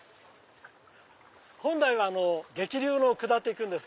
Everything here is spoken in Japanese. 本来は激流を下って行くんです。